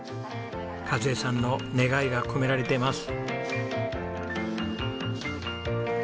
和枝さんの願いが込められています。